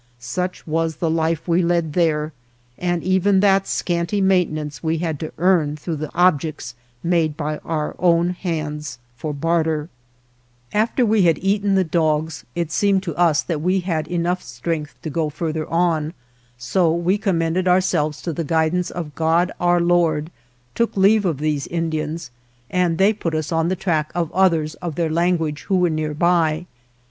Such was the life we led there, and even that scanty maintenance we had to earn through the objects made by our own hands for baiter. 114 ALVAR NUNEZ CABEZA DE VACA AFTER we had eaten the dogs it seemed to us that we had enough strength to go further on, so we commended ourselves to the guidance of God, Our Lord, took leave of these Indians, and they put us on the track of others of their language who were nearby.